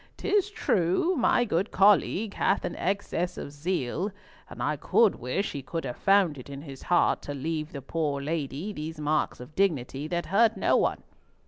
'Tis true my good colleague hath an excess of zeal, and I could wish he could have found it in his heart to leave the poor lady these marks of dignity that hurt no one.